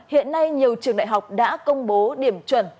hiện nay nhiều trường đại học đã công bố điểm chuẩn